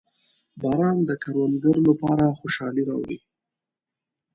• باران د کروندګرو لپاره خوشحالي راوړي.